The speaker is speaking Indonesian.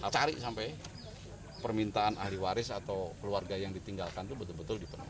cari sampai permintaan ahli waris atau keluarga yang ditinggalkan itu betul betul dipenuhi